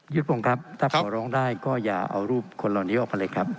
พงศ์ครับถ้าขอร้องได้ก็อย่าเอารูปคนเหล่านี้ออกมาเลยครับ